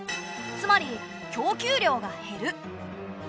つまり供給量が減る。